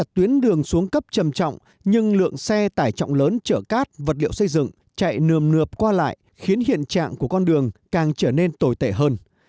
tuyến đường xuống cấp trầm trọng nhưng lượng xe tải trọng lớn chở cát vật liệu xây dựng chạy nườm nượp qua lại khiến hiện trạng của con đường càng trở nên tồi tệ hơn